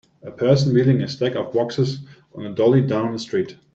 A person wheeling a stack of boxes on a dolly down a street.